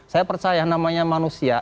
saya percaya namanya manusia